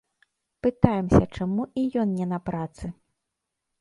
Пытаемся, чаму і ён не на працы?